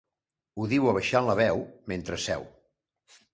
Ho diu abaixant la veu, mentre seu.